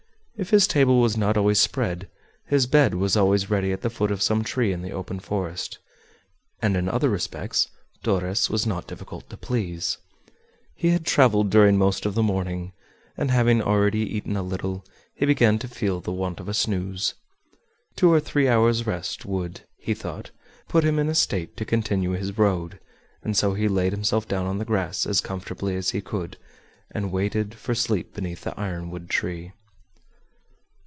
If his table was not always spread, his bed was always ready at the foot of some tree in the open forest. And in other respects Torres was not difficult to please. He had traveled during most of the morning, and having already eaten a little, he began to feel the want of a snooze. Two or three hours' rest would, he thought, put him in a state to continue his road, and so he laid himself down on the grass as comfortably as he could, and waited for sleep beneath the ironwood tree.